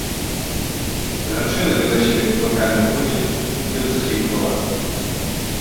Жанчына біла сябе кулакамі ў грудзі ды ўсхліпвала.